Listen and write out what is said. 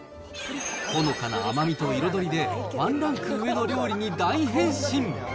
ほのかな甘みと彩りで、ワンランク上の料理に大変身。